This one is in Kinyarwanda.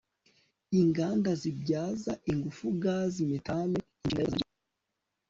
inganda zibyaza ingufu gazi metani, imishinga yo kubyaza amashyuza ingufu